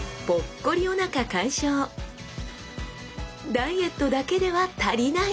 ダイエットだけでは足りない！